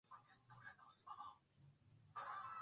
waliachiwa na serikali kutokana sababu za kiafya